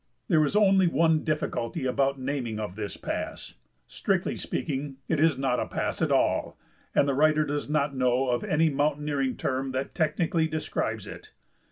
There is only one difficulty about the naming of this pass; strictly speaking, it is not a pass at all, and the writer does not know of any mountaineering term that technically describes it.